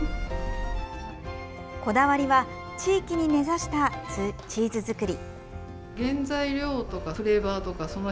こだわりは地域に根ざしたチーズ作り。